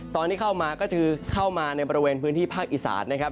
ตอนที่เข้ามาก็คือเข้ามาในบริเวณพื้นที่ภาคอีสานนะครับ